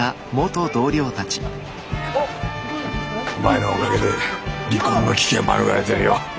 お前のおかげで離婚の危機は免れてるよ。